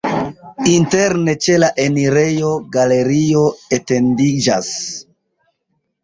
Interne ĉe la enirejo galerio etendiĝas.